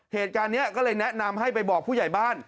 เหตุการณ์นี้ก็เลยแนะนำให้ไปบอกผู้ใหญ่บ้าน